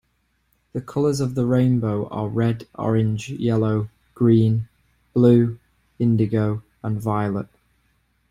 The colours of the rainbow are red, orange, yellow, green, blue, indigo, and violet.